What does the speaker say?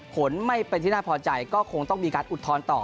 ผลไม่เป็นที่น่าพอใจก็คงต้องมีการอุทธรณ์ต่อ